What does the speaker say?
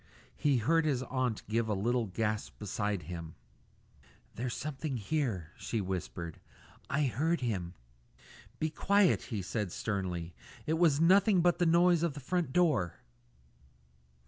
He heard his aunt give a little gasp beside him. "There's someone here," she whispered; "I heard him." "Be quiet!" he said sternly. "It was nothing but the noise of the front door."